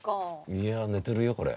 いや寝てるよこれ。